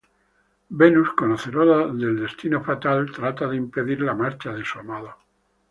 Venus, conocedora del destino fatal, trata de impedir la marcha de su amado.